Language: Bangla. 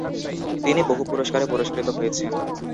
তিনি বহু পুরস্কারে পুরস্কৃত হয়েছেন।